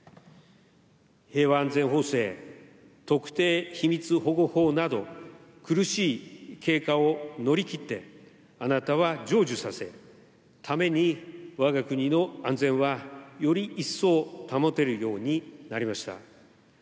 平和安全法制、特定秘密保護法など、苦しい経過を乗り切って、あなたは成就させ、わが国の安全はより一層、保てるようになりました。